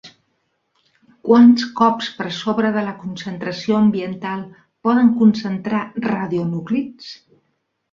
Quants cops per sobre de la concentració ambiental poden concentrar radionúclids?